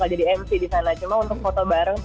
alhasil kita foto bareng